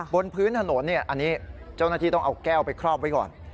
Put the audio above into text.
บนพื้นถนนอันนี้เจ้าหน้าที่ต้องเอาแก้วไปครอบไว้ก่อน